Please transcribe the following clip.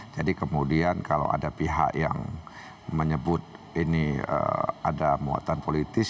jadi kemudian kalau ada pihak yang menyebut ini ada muatan politis